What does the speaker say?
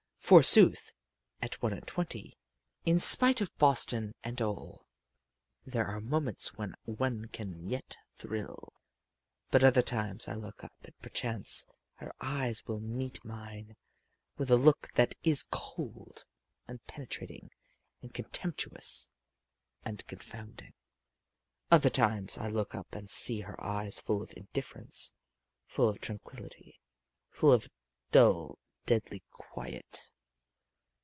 Forsooth, at one and twenty, in spite of Boston and all, there are moments when one can yet thrill. But other times I look up and perchance her eyes will meet mine with a look that is cold and penetrating and contemptuous and confounding. Other times I look up and see her eyes full of indifference, full of tranquillity, full of dull deadly quiet.